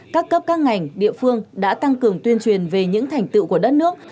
các cấp các ngành địa phương đã tăng cường tuyên truyền về những thành tựu của đất nước